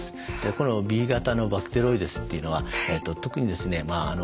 このＢ型のバクテロイデスというのは特にですね